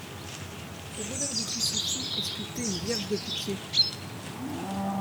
Au revers du crucifix est sculptée une Vierge de Pitié.